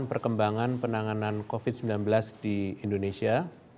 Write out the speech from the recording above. perkembangan penanganan covid sembilan belas di indonesia